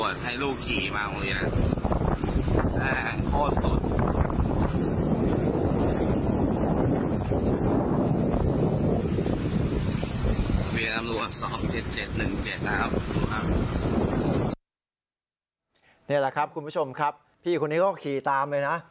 นี่แหละครับคุณผู้ชมครับพี่คนนี้ก็ขี่ตามเลยนะ